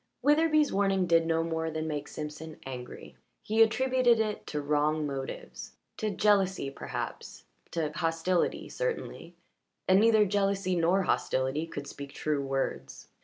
Witherbee's warning did no more than make Simpson angry; he attributed it to wrong motives to jealousy perhaps to hostility certainly, and neither jealousy nor hostility could speak true words.